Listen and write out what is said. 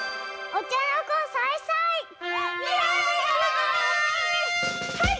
お茶の子さいさい！